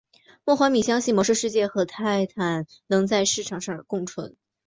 莫怀米相信魔兽世界和泰坦能在市场上共存。